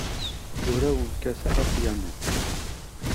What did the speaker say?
Ur awen-kkateɣ apyanu.